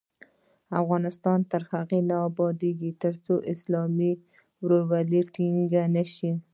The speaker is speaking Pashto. افغانستان تر هغو نه ابادیږي، ترڅو اسلامي ورورولي ټینګه نشي.